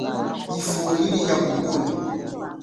Yifwo ili ya kupola.